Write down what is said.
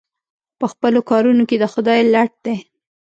په خپلو کارونو کې د خدای لټ دی.